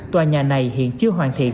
tòa nhà này hiện chưa hoàn thiện